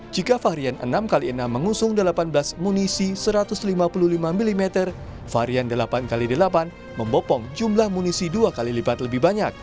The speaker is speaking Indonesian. jika varian enam x enam mengusung delapan belas munisi satu ratus lima puluh lima mm varian delapan x delapan membopong jumlah munisi dua kali lipat lebih banyak